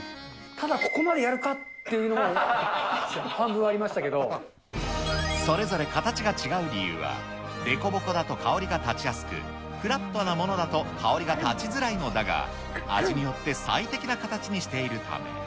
ただ、ここまでやるかっていうのそれぞれ形が違う理由は、凸凹だと香りがたちやすく、フラットなものだと香りが立ちづらいのだが、味によって最適な形にしているため。